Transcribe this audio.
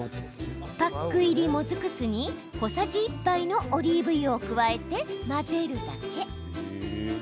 パック入りもずく酢に小さじ１杯のオリーブ油を加えて混ぜるだけ。